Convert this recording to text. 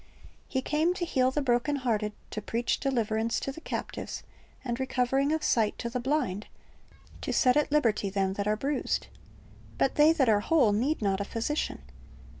He came "to heal the broken hearted, to preach deliverance to the captives, and recovering of sight to the blind, to set at liberty them that are bruised."" But "they that are whole need not a physician."''